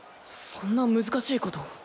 そんな難しいこと。